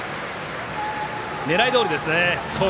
狙いどおりですね。